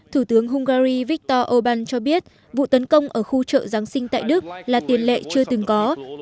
thủ tướng hungary viktor orbán cho biết vụ tấn công ở khu chợ giáng sinh tại đức là tiền lệ chưa từng có